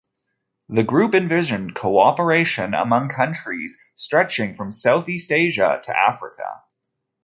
The group envisioned co-operation among countries stretching from South East Asia to Africa.